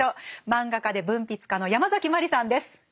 漫画家で文筆家のヤマザキマリさんです。